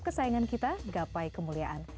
kesaingan kita gapai kemuliaan